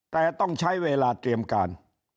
แต่ต้องใช้เวลาเตรียมการ